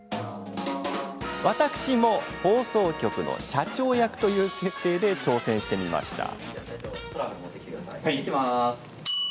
私も放送局の社長役という設定で挑戦してみました。